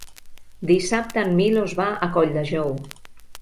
Dissabte en Milos va a Colldejou.